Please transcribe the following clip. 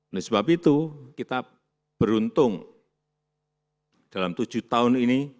oleh sebab itu kita beruntung dalam tujuh tahun ini